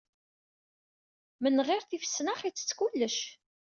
Menɣir tifesnax, ittett kullec.